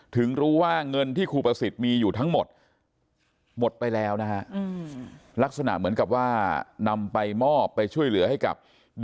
ถึงรู้ว่าเงินที่ครูประสิทธิ์มีอยู่ทั้งหมดหมดไปแล้วนะครับ